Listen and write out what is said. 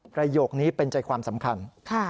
ประโยคนี้เป็นใจความสำคัญ